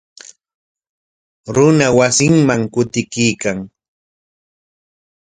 Runa wasinman kutiykan.